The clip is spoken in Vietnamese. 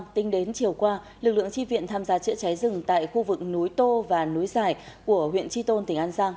tính đến chiều qua lực lượng tri viện tham gia chữa cháy rừng tại khu vực núi tô và núi giải của huyện tri tôn tỉnh an giang